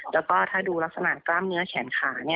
แล้วก็ถ้าดูลักษณะกล้ามเนื้อแขนขา